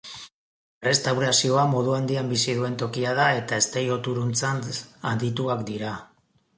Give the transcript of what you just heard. Errestaurazioa modu handian bizi duen tokia da eta eztei-oturuntzan adituak dira.